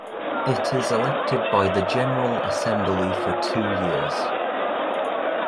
It is elected by the General Assembly for two years.